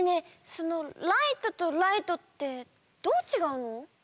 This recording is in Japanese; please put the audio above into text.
その「ライト」と「ライト」ってどうちがうの？